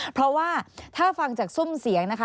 เพราะว่าถ้าฟังจากซุ่มเสียงนะคะ